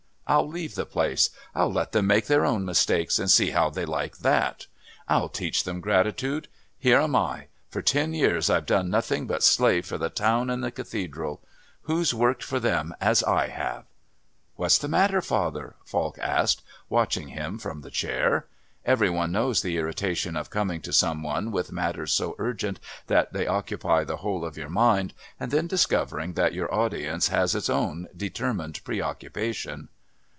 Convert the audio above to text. I'll leave the place. I'll let them make their own mistakes and see how they like that. I'll teach them gratitude. Here am I; for ten years I've done nothing but slave for the town and the Cathedral. Who's worked for them as I have?" "What's the matter, father?" Falk asked, watching him from the chair. Every one knows the irritation of coming to some one with matters so urgent that they occupy the whole of your mind, and then discovering that your audience has its own determined preoccupation.